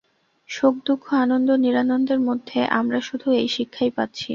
সুখ-দুঃখ, আনন্দ-নিরানন্দের মধ্যে আমরা শুধু এই শিক্ষাই পাচ্ছি।